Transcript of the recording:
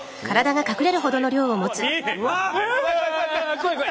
怖い怖い。